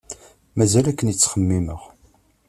Mazal akken i ttxemmimeɣ.